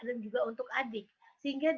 juga untuk adik sehingga